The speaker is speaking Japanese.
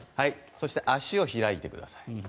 そして足を開いてください。